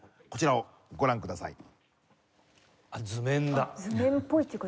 こちらをご覧ください。